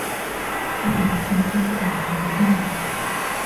日本近江坂田郡人。